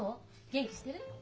元気してる？